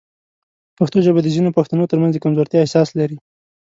پښتو ژبه د ځینو پښتنو ترمنځ د کمزورتیا احساس لري.